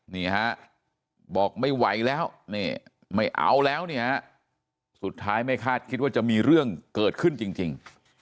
นี่ฮะบอกไม่ไหวแล้วนี่ไม่เอาแล้วเนี่ยสุดท้ายไม่คาดคิดว่าจะมีเรื่องเกิดขึ้นจริง